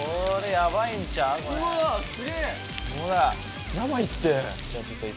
やばいって！